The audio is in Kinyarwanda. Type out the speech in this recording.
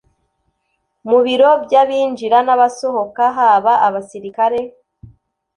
mu biro byabinjira nabasohoka haba abasirikare.